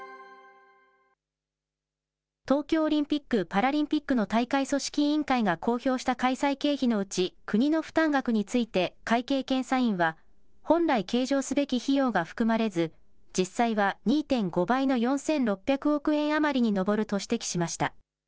東京オリンピック・パラリンピックの大会組織委員会が公表した開催経費のうち、国の負担額について会計検査院は、本来、計上すべき費用が含まれず、実際は２．５倍の４６００億円余りに上ると指摘しました。